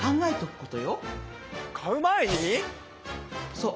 そう。